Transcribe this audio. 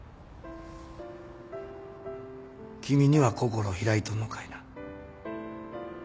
君には心開いとんのかいな？